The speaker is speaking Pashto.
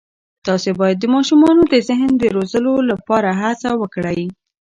تاسې باید د ماشومانو د ذهن د روزلو لپاره هڅه وکړئ.